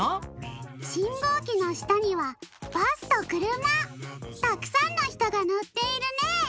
しんごうきのしたにはバスとくるま！たくさんのひとがのっているね。